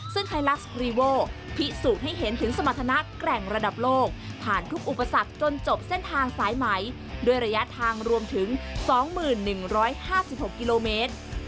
ซึ่งไทยลักษ์รีโวพิสูจน์ให้เห็นถึงสมรรถนะแกร่งระดับโลกผ่านทุกอุปสรรคจนจบเส้นทางสายไหมด้วยระยะทางรวมถึง๒๑๕๖กิโลเมตร